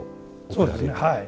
そうですねはい。